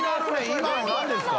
今の何ですか？